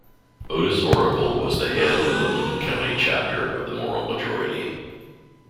Otis Oracle was the head of the Bloom County chapter of the Moral Majority.